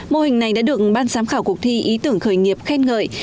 mô hình này đã được ban giám khảo cuộc thi ý tưởng khởi nghiệp khen ngợi